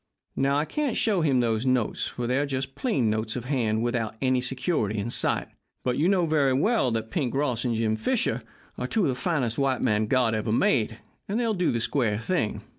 Now, I can't show him those notes, for they're just plain notes of hand without any security in sight, but you know very well that Pink Ross and Jim Fisher are two of the finest white men God ever made, and they'll do the square thing.